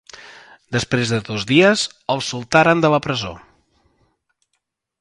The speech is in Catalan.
Després de dos dies, els soltaren de la presó.